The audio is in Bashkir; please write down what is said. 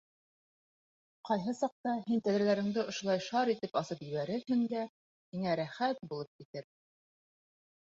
Ҡайһы саҡта һин тәҙрәләреңде ошолай шар итеп асып ебәрерһең дә, һиңә рәхәт булып китер...